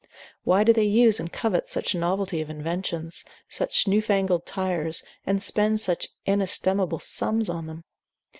Why do they use and covet such novelty of inventions; such new fangled tires, and spend such inestimable sums on them?